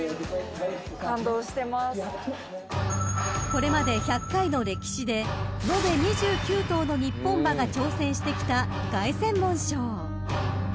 ［これまで１００回の歴史で延べ２９頭の日本馬が挑戦してきた凱旋門賞］